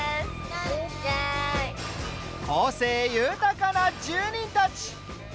個性豊かな住人たち。